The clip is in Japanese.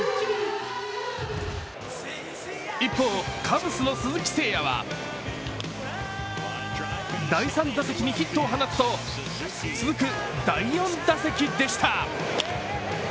一方、カブスの鈴木誠也は第３打席にヒットを放つと続く第４打席でした。